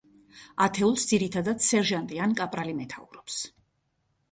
ათეულს ძირითადად სერჟანტი ან კაპრალი მეთაურობს.